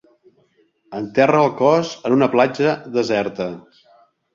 Enterra el cos en una platja deserta.